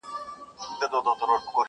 هسي نوم د مرګي بد دی خبر نه دي عالمونه!!